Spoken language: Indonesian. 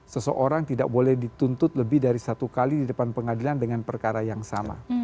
seseorang tidak boleh dituntut lebih dari satu kali di depan pengadilan dengan perkara yang sama